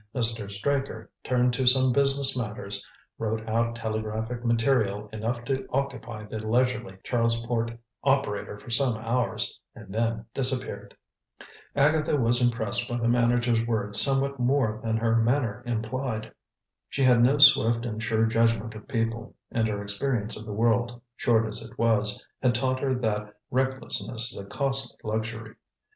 Mr. Straker turned to some business matters, wrote out telegraphic material enough to occupy the leisurely Charlesport operator for some hours, and then disappeared. Agatha was impressed by the manager's words somewhat more than her manner implied. She had no swift and sure judgment of people, and her experience of the world, short as it was, had taught her that recklessness is a costly luxury.